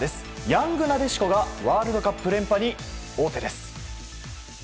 ヤングなでしこがワールドカップ連覇に王手です。